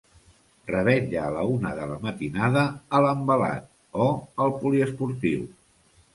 Revetlla a la una de la matinada a l'envelat o al poliesportiu.